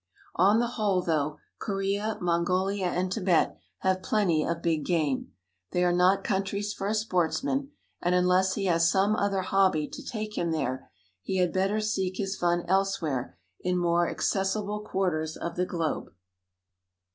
On the whole, though Korea, Mongolia and Tibet have plenty of big game, they are not countries for a sportsman, and unless he has some other hobby to take him there, he had better seek his fun elsewhere in more accessible quarters of the globe.